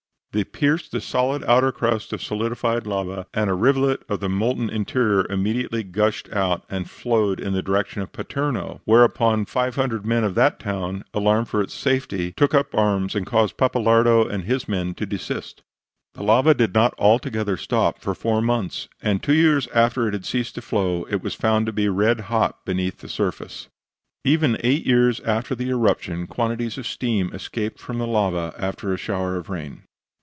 They pierced the solid outer crust of solidified lava, and a rivulet of the molten interior immediately gushed out and flowed in the direction of Paterno, whereupon 500 men of that town, alarmed for its safety, took up arms and caused Pappalardo and his men to desist. The lava did not altogether stop for four months, and two years after it had ceased to flow it was found to be red hot beneath the surface. Even eight years after the eruption quantities of steam escaped from the lava after a shower of rain.